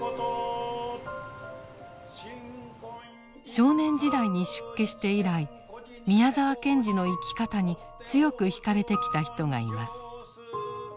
少年時代に出家して以来宮沢賢治の生き方に強くひかれてきた人がいます。